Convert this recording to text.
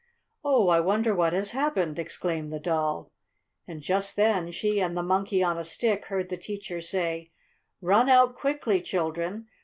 "Oh, I wonder what has happened!" exclaimed the Doll. And just then she and the Monkey on a Stick heard the teacher say: "Run out quickly, children!